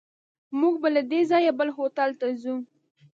موږ به له دې ځایه بل هوټل ته ځو.